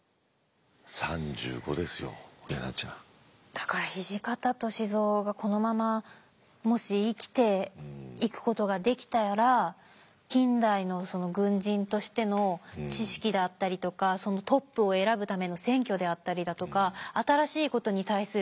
だから土方歳三がこのままもし生きていくことができたら近代の軍人としての知識だったりとかトップを選ぶための選挙であったりだとか新しいことに対する知見